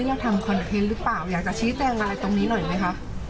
หนูอ่ะเอากลับจะให้ลูกอย่างนี้ทุกปีอยู่ในนั้นแล้ว